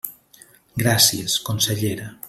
Gràcies, consellera.